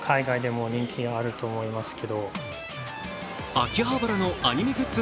秋葉原のアニメグッズ